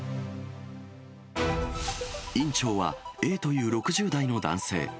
院長はＡという６０代の男性。